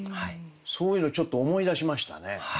そういうのちょっと思い出しましたね。